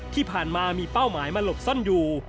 ที่ผ่านมามีเป้าหมายมาหลบซ่อนอยู่